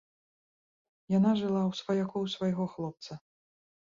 Яна жыла ў сваякоў свайго хлопца.